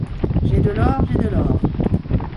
J’ai de l’or ! j’ai de l’or !